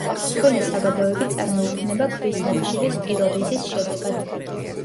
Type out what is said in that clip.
მსხვილი საბადოები წარმოიქმნება ქვის ნახშირის პიროლიზის შედეგად.